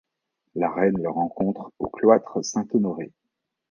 La reine le rencontre au cloître Saint-Honoré.